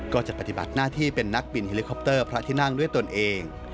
ปฏิบัติหน้าที่เป็นนักบินเฮลิคอปเตอร์พระที่นั่งด้วยตนเอง